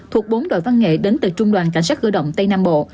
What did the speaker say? thuộc bốn đội văn nghệ đến từ trung đoàn cảnh sát cơ động tây nam bộ